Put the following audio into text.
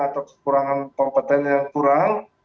atau kekurangan kompeten yang kurang